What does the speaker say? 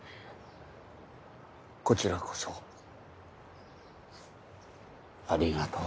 こちらこそありがとう。